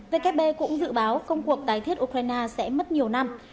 vkp cũng dự báo công cuộc tái thiết ukraine sẽ mất nhiều năm